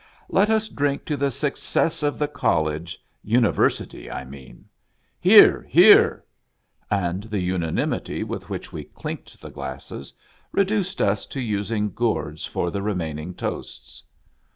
" Let us drink to the success of the College — Uni versity I mean." " Hear ! hear !" And the unanimity with which we clinked the glasses reduced us to using gourds for the remaining toasts.